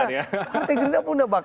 partai gerindra pun nggak bak